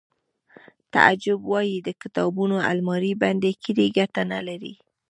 تعجب وایی د کتابونو المارۍ بندې کړئ ګټه نلري